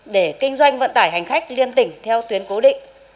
để kinh doanh vận tải hành khách liên tỉnh theo tuyến cố định